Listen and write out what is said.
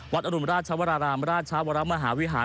อรุณราชวรารามราชวรมหาวิหาร